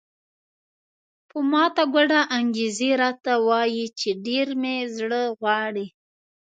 په ماته ګوډه انګریزي راته وایي چې ډېر مې زړه غواړي.